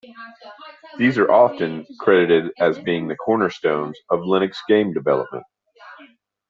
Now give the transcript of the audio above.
These are still often credited as being the cornerstones of Linux game development.